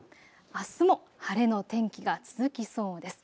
あすも晴れの天気が続きそうです。